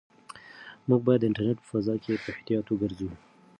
موږ باید د انټرنيټ په فضا کې په احتیاط وګرځو.